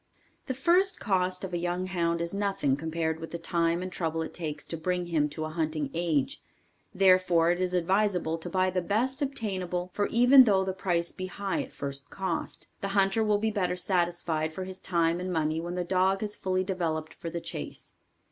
The first cost of a young hound is nothing compared with the time and trouble it takes to bring him to a hunting age. Therefore, it is advisable to buy the best obtainable for even though the price be high at first cost, the hunter will be better satisfied for his time and money when the dog has fully developed for the chase.